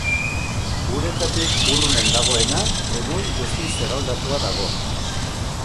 Uretatik urrunen dagoena egun guztiz eraldatua dago.